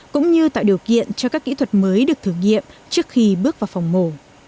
cũng như tạo điều kiện cho các kỹ thuật mới được thử nghiệm trước khi bước vào phòng mổ